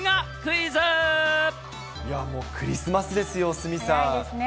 いや、もうクリスマスですよ、早いですね。